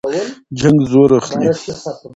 جنګ زور اخلي.